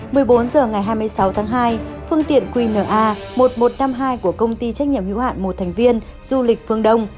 một mươi bốn h ngày hai mươi sáu tháng hai phương tiện qna một nghìn một trăm năm mươi hai của công ty trách nhiệm hữu hạn một thành viên du lịch phương đông